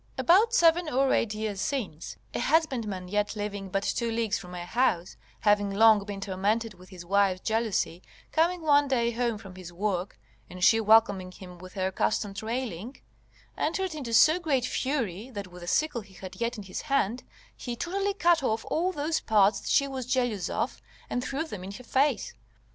About seven or eight years since, a husbandman yet living, but two leagues from my house, having long been tormented with his wife's jealousy, coming one day home from his work, and she welcoming him with her accustomed railing, entered into so great fury that with a sickle he had yet in his hand, he totally cut off all those parts that she was jealous of and threw them in her face.